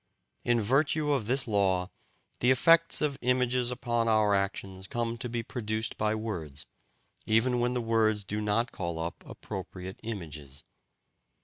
In virtue of this law, the effects of images upon our actions come to be produced by words, even when the words do not call up appropriate images.